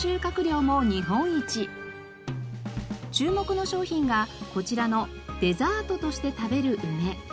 注目の商品がこちらのデザートとして食べる梅。